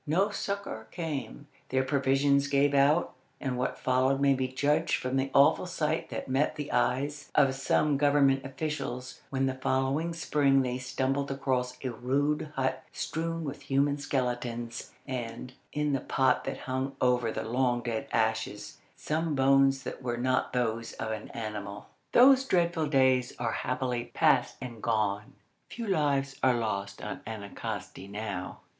No succour came. Their provisions gave out, and what followed may be judged from the awful sight that met the eyes of some government officials when the following spring they stumbled across a rude hut strewn with human skeletons, and, in the pot that hung over the long dead ashes, some bones that were not those of an animal. Those dreadful days are happily past and gone. Few lives are lost on Anticosti now.